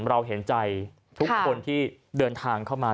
เราเห็นใจทุกคนที่เดินทางเข้ามา